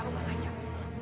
kamu sudah beranjak